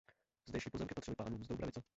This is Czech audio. Zdejší pozemky patřily pánům z Doubravice.